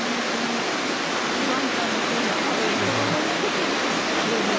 ワンちゃんも気をつけるし子どもも気をつけると。